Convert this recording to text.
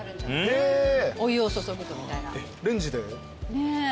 ねえ。